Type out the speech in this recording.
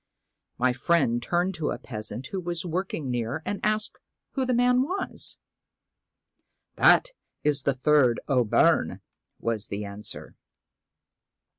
My friend turned to a peasant who was work ing near and asked who the man was. 1 That is the third O'Byrne,' was the answer.